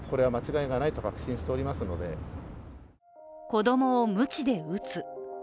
子供をムチで打つ。